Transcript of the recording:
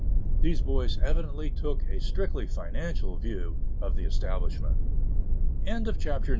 Those boys evidently took a strictly financial view of the establishment. CHAPTER X.